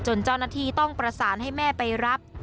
เจ้าหน้าที่ต้องประสานให้แม่ไปรับ